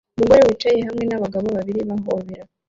Umugore wicaye hamwe nabagabo babiri bahobera